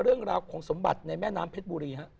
เรื่องราวของสมบัติในแม่น้ำเพชรบุรีฮะ